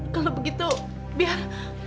kalau begitu biar